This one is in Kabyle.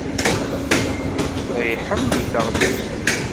Gma iḥemmel taɣlust.